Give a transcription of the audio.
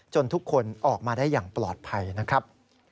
ทุกคนออกมาได้อย่างปลอดภัยนะครับ